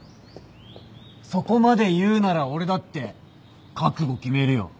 そこまで言うなら俺だって覚悟決めるよ。